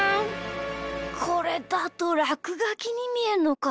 これだとらくがきにみえるのか。